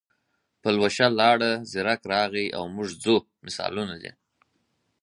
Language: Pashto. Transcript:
پلوشه لاړه، زیرک راغی او موږ ځو مثالونه دي.